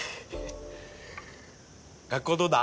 学校どうだ？